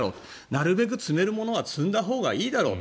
なるべく積めるものは積んだほうがいいだろう。